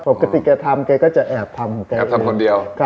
ปกติแกทำแกก็จะแอบทำแกแอบทำคนเดียว